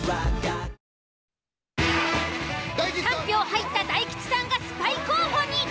３票入った大吉さんがスパイ候補に。